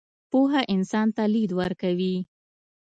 پوهه انسان ته لید ورکوي.